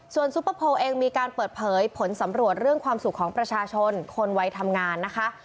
ส่วนซุปเปอร์โพลเองมีการเปิดเผยผลสำรวจเรื่องความสุขของประชาชนคนวัยทำงานนะคะ